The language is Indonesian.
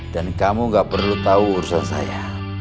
dan kamu gak perlu tahu urusan saya